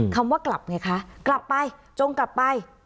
คำว่ากลับไงคะกลับไปจงกลับไป